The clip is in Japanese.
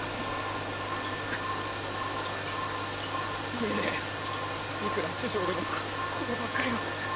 言えねえいくら師匠でもこればっかりは。